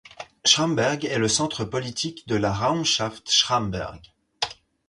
Schramberg est le centre politique de la Raumschaft Schramberg.